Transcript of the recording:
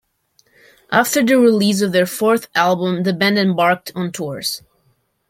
After the release of their fourth album, the band embarked on tours.